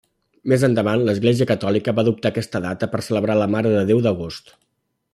Més endavant, l'Església Catòlica va adoptar aquesta data per celebrar la Mare de Déu d'Agost.